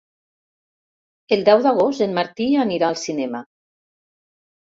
El deu d'agost en Martí anirà al cinema.